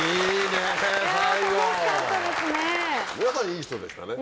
皆さんいい人でしたね。